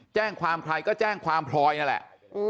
แจ้งความใครก็แจ้งความพลอยนั่นแหละ